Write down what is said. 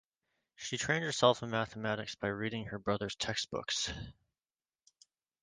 She trained herself in mathematics by reading her brother's textbooks.